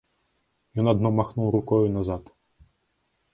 Ён адно махнуў рукою назад.